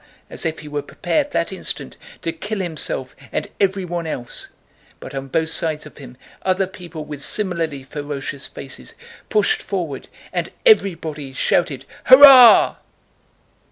as if he were prepared that instant to kill himself and everyone else, but on both sides of him other people with similarly ferocious faces pushed forward and everybody shouted "hurrah!"